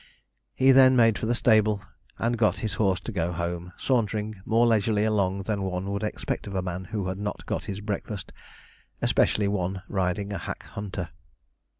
He then made for the stable, and got his horse, to go home, sauntering more leisurely along than one would expect of a man who had not got his breakfast, especially one riding a hack hunter.